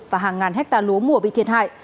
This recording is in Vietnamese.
và hàng ngàn hecta lúa mùa bị thiệt hại